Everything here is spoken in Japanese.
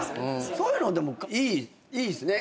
そういうのいいっすね。